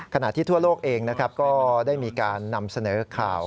ขณะที่ทั่วโลกเองนะครับก็ได้มีการนำเสนอข่าว